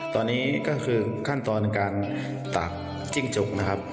ตอนนี้ก็คือขั้นตอนการตากจิ้งจกนะครับ